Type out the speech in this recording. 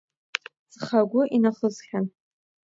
Ҵхагәы инахысхьан.